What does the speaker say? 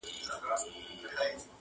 • دا پردۍ ښځي چي وینمه شرمېږم -